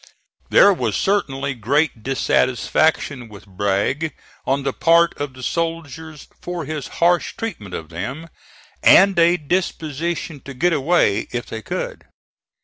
There was certainly great dissatisfaction with Bragg on the part of the soldiers for his harsh treatment of them, and a disposition to get away if they could.